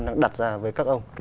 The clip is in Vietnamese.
đã đặt ra với các ông